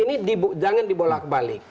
ini jangan dibolak balik